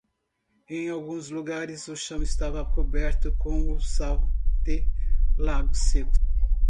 Em alguns lugares, o chão estava coberto com o sal de lagos secos.